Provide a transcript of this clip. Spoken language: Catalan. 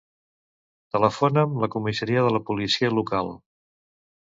Telefona'm la comissaria de la policia local.